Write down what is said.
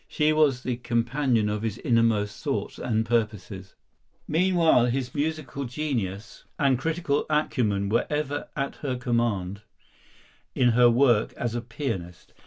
She was the companion of his innermost thoughts and purposes. Meanwhile his musical genius and critical acumen ever were at her command in her work as a pianist.